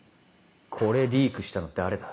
これリークしたの誰だ？